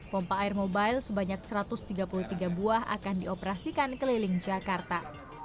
pompa air mobile sebanyak satu ratus tiga puluh tiga buah akan dioperasikan keliling jakarta